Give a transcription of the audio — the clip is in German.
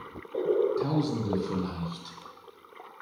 Tausende vielleicht.